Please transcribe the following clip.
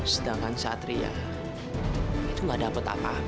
sedangkan satria itu gak dapat apa apa